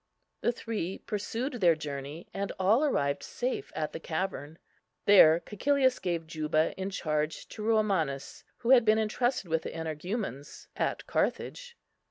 The three pursued their journey, and all arrived safe at the cavern. There Cæcilius gave Juba in charge to Romanus, who had been intrusted with the energumens at Carthage.